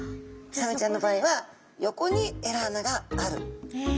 サメちゃんの場合は横にエラ穴がある。